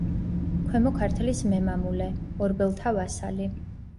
ქვემო ქართლის მემამულე, ორბელთა ვასალი.